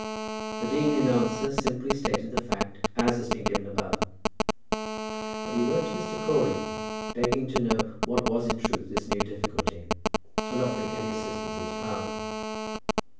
The dean in answer simply stated the fact as it has been given above; but he wrote to Mr. Crawley begging to know what was in truth this new difficulty, and offering any assistance in his power.